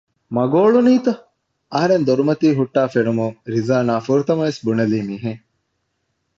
މަގު އޮޅުނީތަ؟ އަހަރެން ދޮރުމަތީ ހުއްޓައި ފެނުމުން ރިޒާނާ ފުރަތަމަ ވެސް ބުނެލީ މިހެން